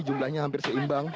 jumlahnya hampir seimbang